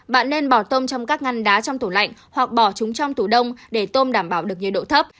bạn nên bỏ tôm trong các ngăn đá trong tủ lạnh hoặc bỏ chúng trong tủ đông để tôm đảm bảo được nhiệt độ thấp